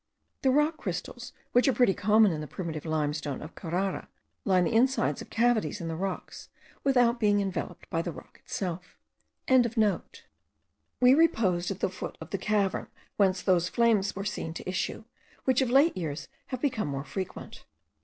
The rock crystals, which are pretty common in the primitive limestone of Carrara, line the insides of cavities in the rocks, without being enveloped by the rock itself.) We reposed at the foot of the cavern whence those flames were seen to issue, which of late years have become more frequent.